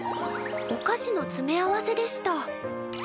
おかしのつめ合わせでした。